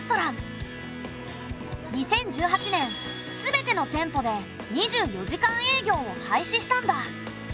２０１８年全ての店舗で２４時間営業を廃止したんだ。